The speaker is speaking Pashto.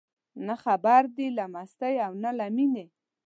نه خبر دي له مستۍ او نه له مینې